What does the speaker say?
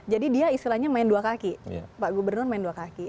jadi dia istilahnya main dua kaki pak gubernur main dua kaki